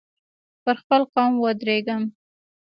پر خپل قول ودرېږم.